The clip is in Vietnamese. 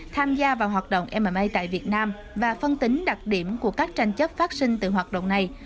tham gia vào hoạt động ma tại việt nam và phân tính đặc điểm của các tranh chấp phát sinh từ hoạt động này